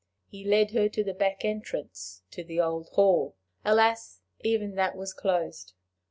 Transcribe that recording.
He led her to the back entrance to the old hall. Alas! even that was closed.